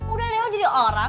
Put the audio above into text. udah deh jadi orang